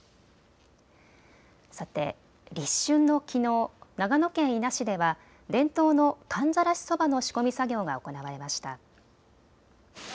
さて、立春のきのう、長野県伊那市では伝統の寒ざらしそばの仕込み作業が行われました。